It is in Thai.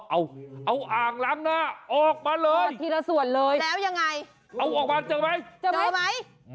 เอาอ่างล้างหน้าออกมาเลยแล้วยังไงเอาออกมาเจอไหม